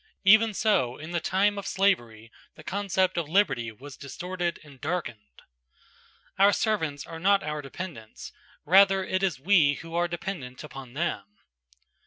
Even so in the time of slavery, the concept of liberty was distorted and darkened. Our servants are not our dependents, rather it is we who are dependent upon them.